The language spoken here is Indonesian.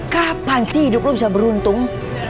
kapan sih hidup lo bisa beruntung